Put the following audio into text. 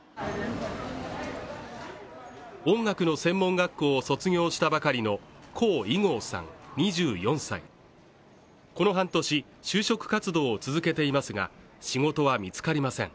音楽の専門学校を卒業したばかりの黄偉豪さん２４歳この半年就職活動を続けていますが仕事は見つかりません